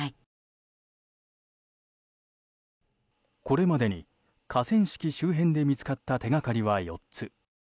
これまでに河川敷周辺で見つかった手掛かりは４つ。